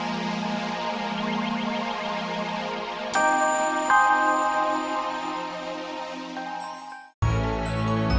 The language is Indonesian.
jangan lupa like share dan subscribe ya